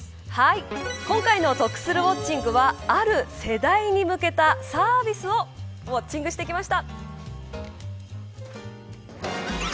今回の得するウォッチング！はある世代に向けたサービスをウオッチングしてきました。